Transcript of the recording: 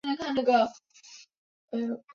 殿试登进士第二甲第八十二名。